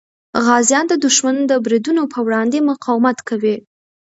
غازیان د دښمن د بریدونو په وړاندې مقاومت کوي.